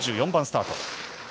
４４番スタート。